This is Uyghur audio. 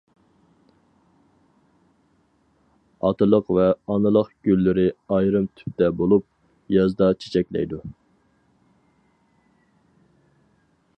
ئاتىلىق ۋە ئانىلىق گۈللىرى ئايرىم تۈپتە بولۇپ، يازدا چېچەكلەيدۇ.